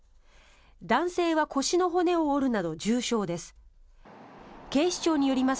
男性は腰の骨を折るなど重傷です。